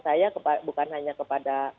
saya bukan hanya kepada